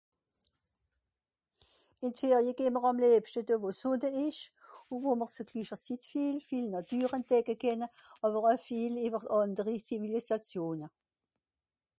Ìn d'Ferie geh'mr àm lìebschte (...), wo mr (...) sieht viel, viel Nàtür entdecke kenne àwer oe viel ìwwer ànderi Zivilisatione.